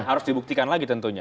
harus dibuktikan lagi tentunya